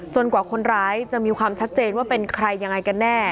กว่าคนร้ายจะมีความชัดเจนว่าเป็นใครยังไงกันแน่